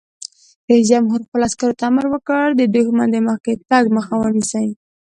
رئیس جمهور خپلو عسکرو ته امر وکړ؛ د دښمن د مخکې تګ مخه ونیسئ!